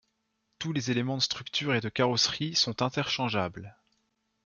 Tous les éléments de structure et de carrosserie sont interchangeables.